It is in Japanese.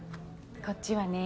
こっちはね